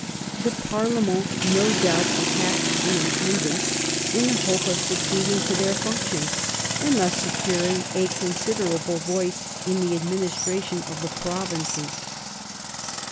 The parlement no doubt attacked the intendants in the hope of succeeding to their functions and thus securing a considerable voice in the administration of the provinces.